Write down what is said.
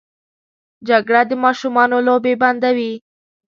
جګړه د ماشومانو لوبې بندوي